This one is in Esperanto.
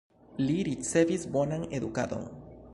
Li ricevis bonan edukadon.